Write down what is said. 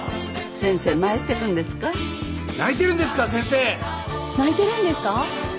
先生泣いてるんですか？